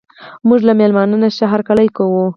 موږ له میلمانه ښه هرکلی کوو.